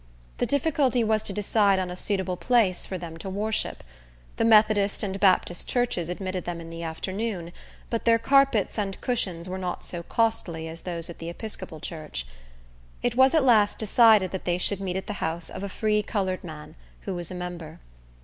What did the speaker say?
The difficulty was to decide on a suitable place for them to worship. The Methodist and Baptist churches admitted them in the afternoon; but their carpets and cushions were not so costly as those at the Episcopal church. It was at last decided that they should meet at the house of a free colored man, who was a member.